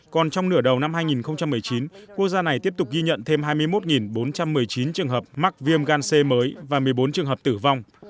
còn trong nửa đầu năm hai nghìn một mươi chín quốc gia này tiếp tục ghi nhận thêm hai mươi một bốn trăm một mươi chín trường hợp mắc viêm gan c mới và một mươi bốn trường hợp tử vong